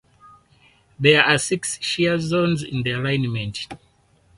There are six shear zones in the alignment.